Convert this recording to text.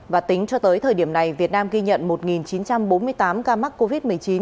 và tính cho tới thời điểm này việt nam ghi nhận một chín trăm bốn mươi tám ca mắc covid một mươi chín